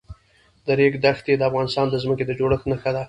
د ریګ دښتې د افغانستان د ځمکې د جوړښت نښه ده.